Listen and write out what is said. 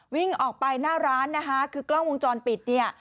วิ่งออกไปหน้าร้านนะคะคือกล้องวงจรปิดเนี่ย